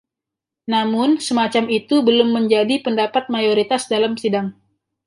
Namun, semacam itu belum menjadi pendapat mayoritas dalam sidang.